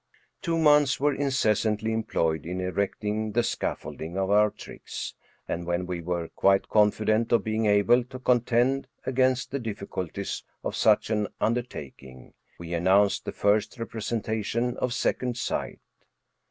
Two months were incessantly employed in erecting the scaffolding of our tricks, and when we were quite confident of being able to contend against the difficulties of such an undertaking, we announced the first representation of sec ond sight.